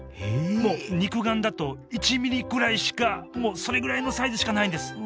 もう肉眼だと１ｍｍぐらいしかもうそれぐらいのサイズしかないんですうわ